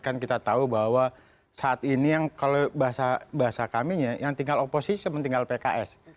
kan kita tahu bahwa saat ini yang kalau bahasa bahasa kami ya yang tinggal oposisi yang tinggal pks